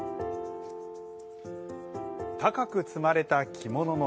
高く積まれた着物の山。